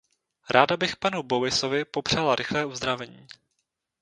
Ráda bych panu Bowisovi popřála rychlé uzdravení.